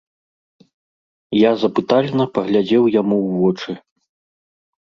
Я запытальна паглядзеў яму ў вочы.